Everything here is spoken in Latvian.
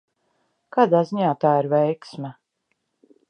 Kādā ziņā tā ir veiksme?